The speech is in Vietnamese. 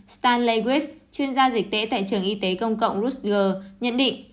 stan lewis chuyên gia dịch tễ tại trường y tế công cộng rutger nhận định